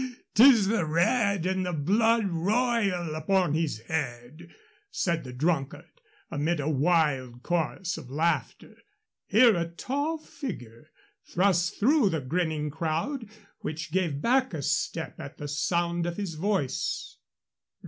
"Yaw! 'Tis the red of the blood royal upon his head," said the drunkard, amid a wild chorus of laughter. Here a tall figure thrust through the grinning crowd, which gave back a step at the sound of his voice.